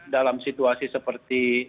dalam situasi seperti